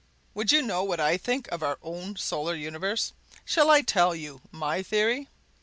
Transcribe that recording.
Would you know what I think of our own solar universe? Shall I tell you my theory?